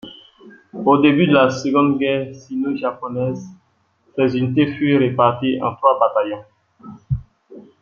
Au début de la seconde guerre sino-japonaise, ces unités furent réparties en trois bataillons.